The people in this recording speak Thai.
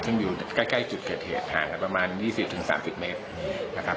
ซึ่งอยู่ใกล้จุดเกิดเหตุห่างกันประมาณ๒๐๓๐เมตรนะครับ